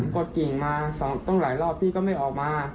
ก็กิ่งมาต้องหลายรอบพี่ก็ไม่ออกมา